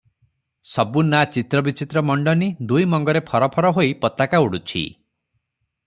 ସବୁ ନାଆ ଚିତ୍ର ବିଚିତ୍ର ମଣ୍ଡନୀ ଦୁଇ ମଙ୍ଗରେ ଫରଫର ହୋଇ ପତାକା ଉଡୁଛି ।